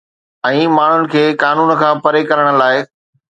۽ ماڻهن کي قانون کان پري ڪرڻ لاء